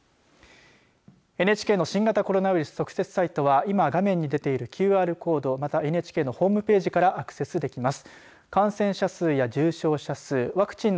ＮＨＫの新型コロナウイルス特設サイトは今、画面に出ているＱＲコードまたＮＨＫのホームページからアクセスできます。